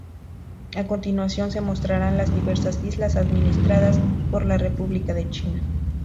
A continuación se mostrarán las diversas islas administradas por la República de China.